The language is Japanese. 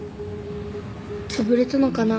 つぶれたのかな？